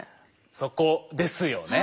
そこですよね。